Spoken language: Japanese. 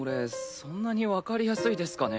そんなに分かりやすいですかね？